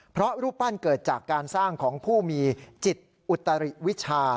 เพราะรูปปั้นเกิดจากการสร้างของผู้มีจิตอุตริวิชา